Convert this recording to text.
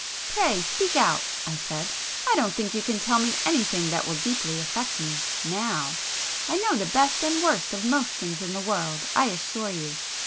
"Pray speak out!" I said—"I don't think you can tell me anything that will deeply affect me,—now. I know the best and worst of most things in the world, I assure you!"